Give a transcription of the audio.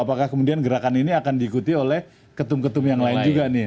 apakah kemudian gerakan ini akan diikuti oleh ketum ketum yang lain juga nih